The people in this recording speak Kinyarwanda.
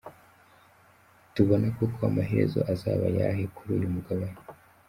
Tubona Koko amaherezo azaba ayahe Kuri uyu mugabane???.